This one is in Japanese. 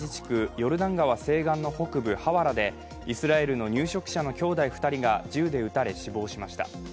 ヨルダン西岸地区北部のハワラでイスラエルの入植者の兄弟２人が銃で撃たれ、死亡しました。